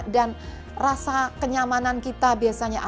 dan rasa kenyamanan kita biasanya